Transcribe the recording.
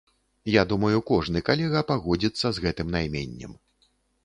Я думаю, кожны калега пагодзіцца з гэтым найменнем.